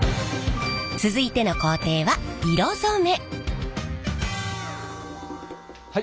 続いての工程は色染め。